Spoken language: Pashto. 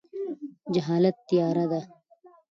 جهالت تیاره ده.